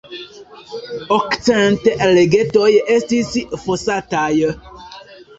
Okcent lagetoj estis fosataj.